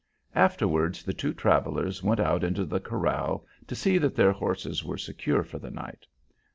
Afterwards the two travellers went out into the corral to see that their horses were secure for the night.